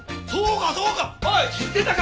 おい知ってたか？